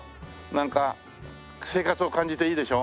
なんか生活を感じていいでしょ。